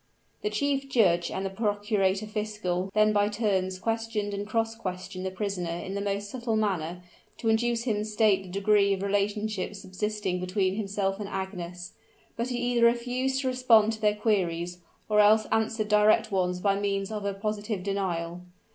The chief judge and the procurator fiscal then by turns questioned and cross questioned the prisoner in the most subtle manner, to induce him state the degree of relationship subsisting between himself and Agnes; but he either refused to respond to their queries, or else answered direct ones by means of a positive denial.